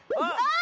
あ！